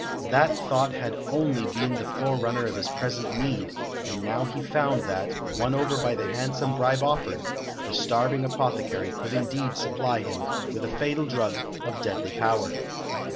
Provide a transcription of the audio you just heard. That thought had only been the forerunner of his present need, and now he found that, won over by the handsome bribe offered, the starving apothecary could indeed supply him with a fatal drug of deadly power.